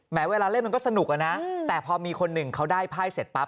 เวลาเล่นมันก็สนุกอะนะแต่พอมีคนหนึ่งเขาได้ไพ่เสร็จปั๊